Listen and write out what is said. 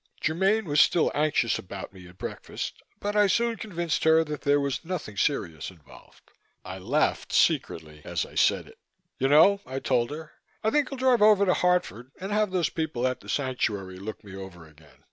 Germaine was still anxious about me at breakfast but I soon convinced her that there was nothing serious involved. I laughed secretly as I said it. "You know," I told her, "I think I'll drive over to Hartford and have those people at the Sanctuary look me over again.